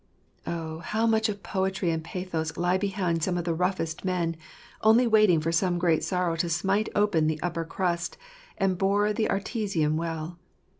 Oh, how much of poetry and pathos lie behind some of the roughest men, only waiting for some great sorrow to smite open the upper crust, and bore the Artesian well